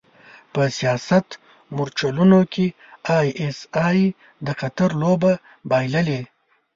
په سیاست مورچلونو کې ای ایس ای د قطر لوبه بایللې.